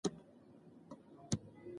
ایا زه کولی شم له دې تمرین څخه ګټه واخلم؟